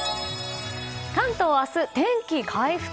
関東は明日、天気回復。